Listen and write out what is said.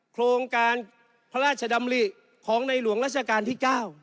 โครงการพระราชดำริของในหลวงราชการที่๙